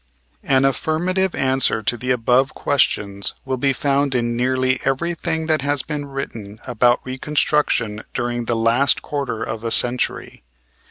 An affirmative answer to the above questions will be found in nearly everything that has been written about Reconstruction during the last quarter of a century.